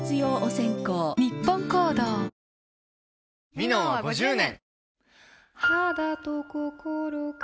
「ミノン」は５０年！